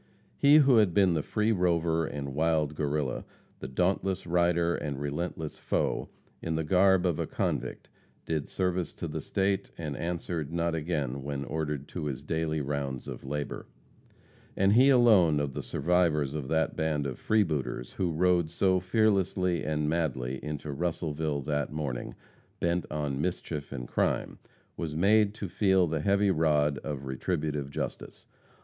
He who had been the free rover and wild Guerrilla, the dauntless rider and relentless foe, in the garb of a convict did service to the State, and answered not again when ordered to his daily rounds of labor. And he alone of the survivors of that band of freebooters who rode so fearlessly and madly into Russellville that morning, bent on mischief and crime, was made to feel the heavy rod of retributive justice.